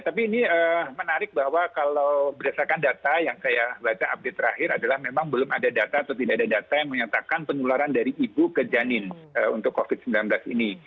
tapi ini menarik bahwa kalau berdasarkan data yang saya baca update terakhir adalah memang belum ada data atau tidak ada data yang menyatakan penularan dari ibu ke janin untuk covid sembilan belas ini